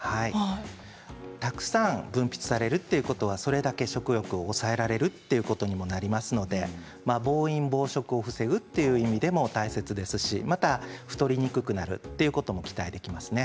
たくさん分泌されるということはそれだけ食欲を抑えられるということにもなりますので暴飲暴食を防ぐという意味でも大切ですしまた、太りにくくなるということも期待できますね。